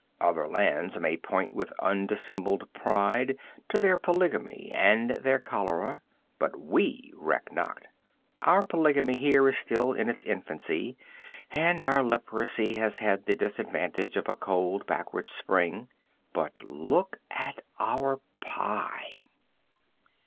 Other lands may point with undissembled pride to their polygamy and their cholera, but we reck not. Our polygamy here is still in its infancy and our leprosy has had the disadvantage of a cold, backward spring, but look at our pie.